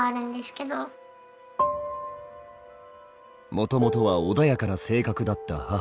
もともとは穏やかな性格だった母。